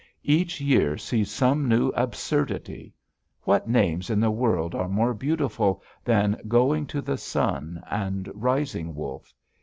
Each year sees some new absurdity. What names in the world are more beautiful than Going to the Sun and Rising Wolf?